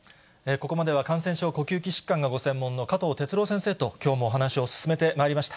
ここまでは感染症、呼吸器疾患がご専門の加藤哲朗先生と、きょうもお話を進めてまいりました。